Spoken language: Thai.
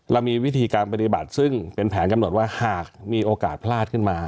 เรามีวิธีการปฏิบัติซึ่งเป็นแผนกำหนดว่าหากมีโอกาสพลาดขึ้นมา